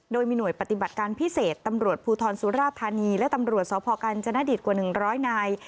โดยมีหน่วยปฏิบัติการพิเศษตำรวจภูทรสุราธานีและตำรวจสพกัญจนดิตกว่า๑๐๐นาย